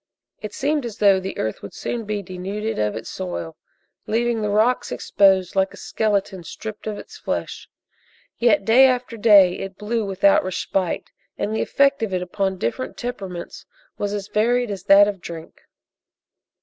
It seemed as though the earth would soon be denuded of its soil, leaving the rocks exposed like a skeleton stripped of its flesh. Yet, day after day, it blew without respite, and the effect of it upon different temperaments was as varied as that of drink.